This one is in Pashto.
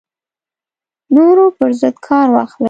نورو پر ضد کار واخلي